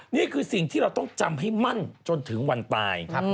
นี่คือสิ่งที่เราต้องจำให้มั่นจนถึงวันตาย